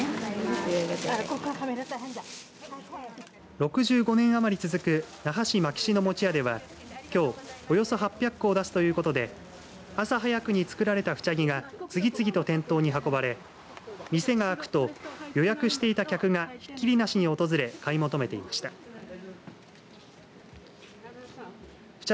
６５年余り続く那覇市牧志の餅屋ではきょう、およそ８００個を出すということで朝早くに作られたフチャギが次々と店頭に運ばれ店が開くと、予約していた客がひっきりなしに訪れ買い求めていました。